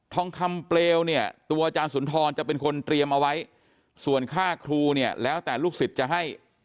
ทองคำเปลวเนี่ยตัวอาจารย์สุนทรจะเป็นคนเตรียมเอาไว้ส่วนค่าครูเนี่ยแล้วแต่ลูกศิษย์จะให้